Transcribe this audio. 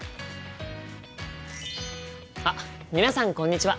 あっ皆さんこんにちは！